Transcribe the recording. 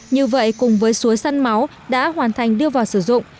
như vậy cùng với suối săn máu đã hoàn thành đưa vào sử dụng